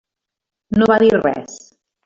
No va dir res.